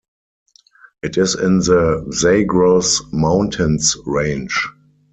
It is in the Zagros Mountains range.